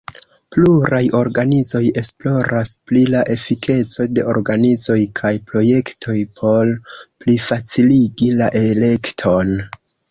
Pluraj organizoj esploras pri la efikeco de organizoj kaj projektoj por plifaciligi la elekton.